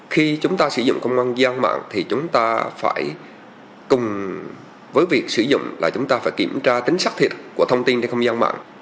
khi chúng ta sử dụng công văn gian mạng thì chúng ta phải cùng với việc sử dụng là chúng ta phải kiểm tra tính sát thiệt của thông tin trên không gian mạng